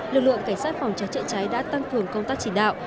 lực lượng cảnh sát phòng cháy chữa cháy đã tăng cường công tác chỉ đạo